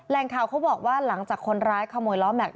ข่าวเขาบอกว่าหลังจากคนร้ายขโมยล้อแม็กซ